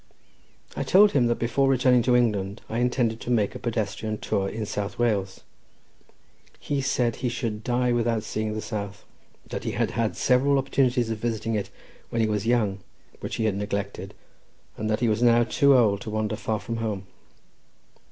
I told him that before returning to England I intended to make a pedestrian tour in South Wales. He said that he should die without seeing the south; that he had had several opportunities of visiting it when he was young, which he had neglected, and that he was now too old to wander far from home.